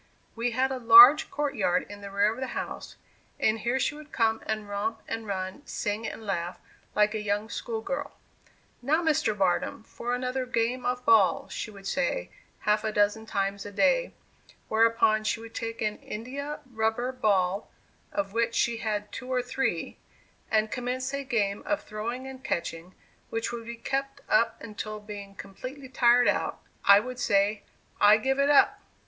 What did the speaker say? We had a large court yard in the rear of the house, and here she would come and romp and run, sing and laugh, like a young school girl. "Now, Mr. Barnum, for another game of ball," she would say half a dozen times a day; whereupon, she would take an india rubber ball, (of which she had two or three,) and commence a game of throwing and catching, which would be kept up until, being completely tired out, I would say, "I give it up."